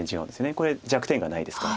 これ弱点がないですから。